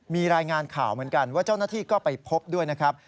มีรายงานข่าวเหมือนกันว่าเจ้าหน้าที่ก็ไปพบด้วยนะครับ